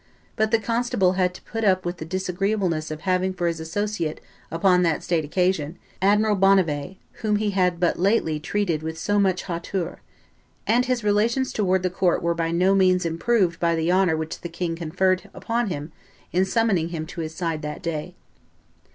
but the constable had to put up with the disagreeableness of having for his associate upon that state occasion Admiral Bonnivet, whom he had but lately treated with so much hauteur, and his relations towards the court were by no means improved by the honor which the king conferred upon him in summoning him to his side that day.